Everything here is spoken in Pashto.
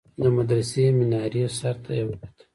د مدرسې د مينارې سر ته يې وكتل.